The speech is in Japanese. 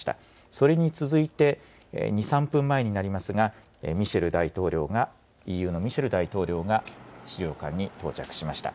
それに続いて、２、３分前になりますが、ミシェル大統領が、ＥＵのミシェル大統領が、資料館に到着しました。